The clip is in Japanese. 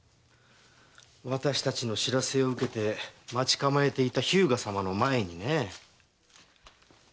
私たちの報せを受けて待ち構えていた日向様の前にね。